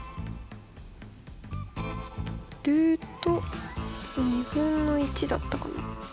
ルート２分の１だったかな？